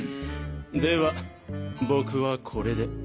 では僕はこれで。